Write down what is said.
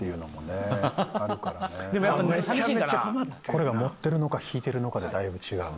これが盛ってるのか引いてるのかでだいぶ違う。